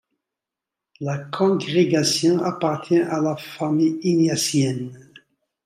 La congrégation appartient à la famille ignatienne.